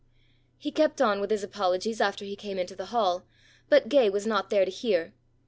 He kept on with his apologies after he came into the hall, but Gay was not there to hear.